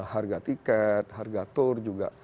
harga tiket harga tour juga